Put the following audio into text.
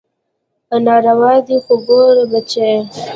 ناروا دي خو ګوره بچى.